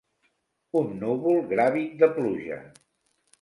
Un núvol gràvid de pluja.